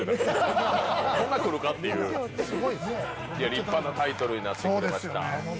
立派なタイトルになってきました。